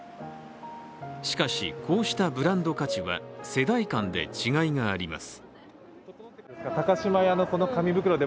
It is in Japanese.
しかし、こうしたブランド価値は世代間で違いがあります。